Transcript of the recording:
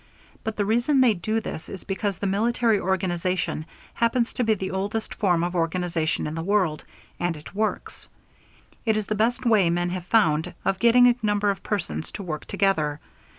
But the reason they do these is because the military organization happens to be the oldest form of organization in the world, and it works. It is the best way men have found of getting a number of persons to work together.